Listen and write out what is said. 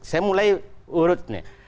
saya mulai urut